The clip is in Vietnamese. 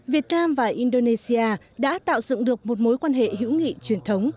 việt nam và indonesia đã tạo dựng được một mối quan hệ hữu nghị truyền thống